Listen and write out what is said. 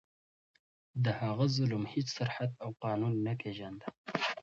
د هغه ظلم هیڅ سرحد او قانون نه پېژانده.